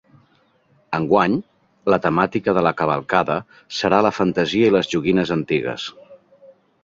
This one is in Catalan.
Enguany, la temàtica de la cavalcada serà la fantasia i les joguines antigues.